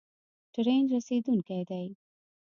ټرین رسیدونکی دی